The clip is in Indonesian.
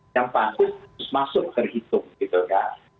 yang patut terus masuk ke hitung gitu kan